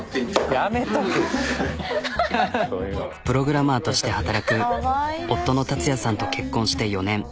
プログラマーとして働く夫の達也さんと結婚して４年。